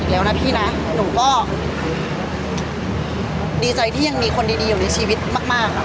แล้วนะพี่นะหนูก็ดีใจที่ยังมีคนดีอยู่ในชีวิตมากค่ะ